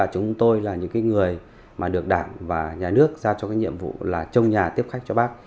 chúng tôi là những người mà được đảng và nhà nước ra cho cái nhiệm vụ là trông nhà tiếp khách cho bác